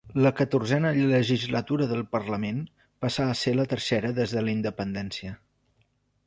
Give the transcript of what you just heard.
La catorzena legislatura del parlament passà a ser la tercera des de la independència.